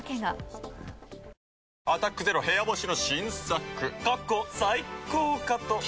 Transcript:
新「アタックＺＥＲＯ部屋干し」